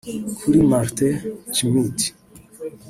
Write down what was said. Kuri Martin Schmid